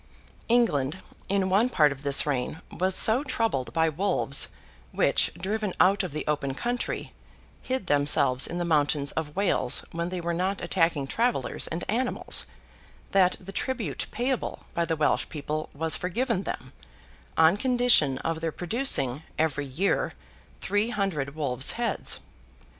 England, in one part of this reign, was so troubled by wolves, which, driven out of the open country, hid themselves in the mountains of Wales when they were not attacking travellers and animals, that the tribute payable by the Welsh people was forgiven them, on condition of their producing, every year, three hundred wolves' heads.